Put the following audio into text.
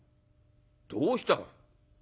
「どうした？」。